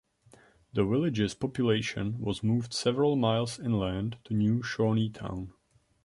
The village's population was moved several miles inland to New Shawneetown.